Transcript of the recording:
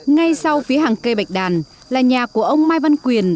ngay sau phía hàng cây bạch đàn là nhà của ông mai văn quyền